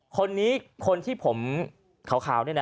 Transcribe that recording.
คนนี้คนที่ผมข่าว